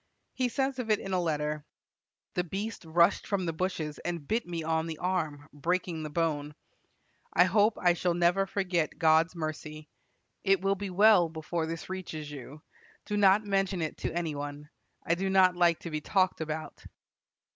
He says of it in a letter: "The beast rushed from the bushes and bit me on the arm, breaking the bone. I hope I shall never forget God's mercy. It will be well before this reaches you. Do not mention it to any one. I do not like to be talked about."